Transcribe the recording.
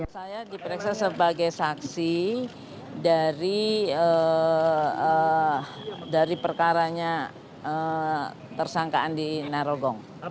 saya diperiksa sebagai saksi dari perkaranya tersangkaan di narogong